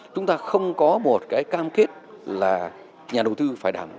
chúng ta không có một cam kết là nhà đầu tư phải đảm